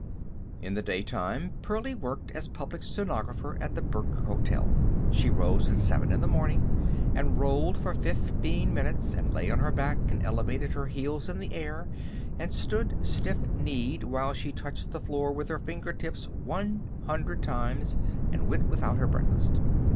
In the daytime Pearlie worked as public stenographer at the Burke Hotel. She rose at seven in the morning, and rolled for fifteen minutes, and lay on her back and elevated her heels in the air, and stood stiff kneed while she touched the floor with her finger tips one hundred times, and went without her breakfast.